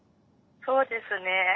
そうですね。